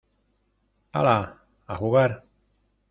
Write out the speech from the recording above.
hala, a jugar.